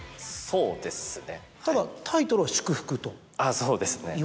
そうですね。